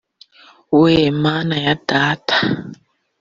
we mana ya data